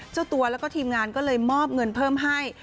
เจ้าตัวแล้วก็ทีมงานก็เลยมอบเงินเพิ่มให้